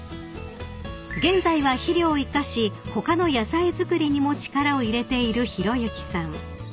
［現在は肥料を生かし他の野菜作りにも力を入れている裕幸さん］